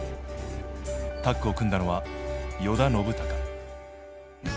タッグを組んだのは依田伸隆。